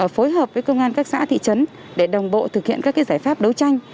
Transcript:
phối hợp với công an các xã thị trấn để đồng bộ thực hiện các giải pháp đấu tranh